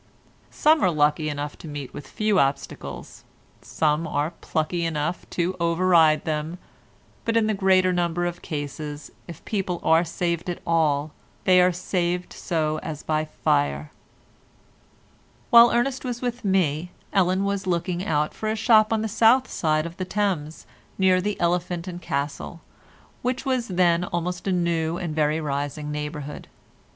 Some are lucky enough to meet with few obstacles, some are plucky enough to over ride them, but in the greater number of cases, if people are saved at all they are saved so as by fire. While Ernest was with me Ellen was looking out for a shop on the south side of the Thames near the "Elephant and Castle," which was then almost a new and a very rising neighbourhood.